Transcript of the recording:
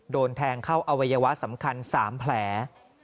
โดนแทงเข้าอวัยวะสำคัญ๓แผล